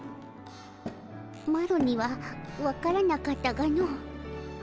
マロには分からなかったがの。